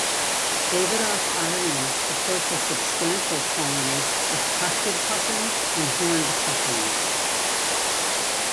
Davidof Island supports a substantial colony of Tufted Puffins and Horned Puffins.